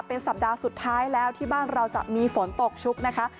เป็นสัปดาห์สุดท้ายแล้วที่บ้านเราจะมีฝนตกชุกนะคะ